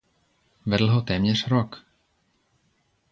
Vedl ho téměř rok.